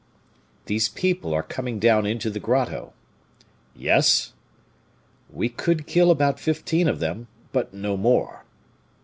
"These people are coming down into the grotto." "Yes." "We could kill about fifteen of them, but no more."